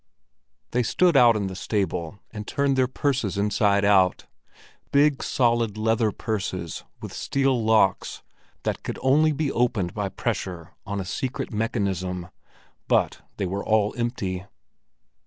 They stood out in the stable, and turned their purses inside out —big, solid, leather purses with steel locks that could only be opened by pressure on a secret mechanism; but they were empty.